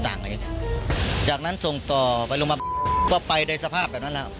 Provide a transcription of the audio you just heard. จากนั้นส่งต่อไปโรงพยาบาลก็ไปในสภาพแบบนั้นแล้ว